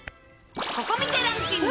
ココ見てランキング